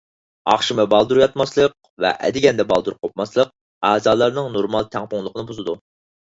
ئاخشىمى بالدۇر ياتماسلىق ۋە ئەتىگەندە بالدۇر قوپماسلىق ئەزالارنىڭ نورمال تەڭپۇڭلۇقىنى بۇزىدۇ.